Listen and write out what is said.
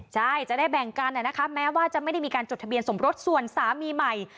ใช่จะได้แบ่งกันนะคะแม้ว่าจะไม่ได้มีการจดทะเบียนสมรสส่วนสามีใหม่